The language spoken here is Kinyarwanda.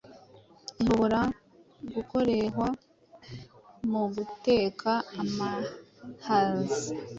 Ihobora gukorehwa muguteka Amahaza